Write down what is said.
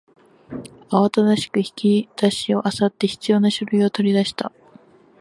慌ただしく引き出しを漁って必要な書類を取り出した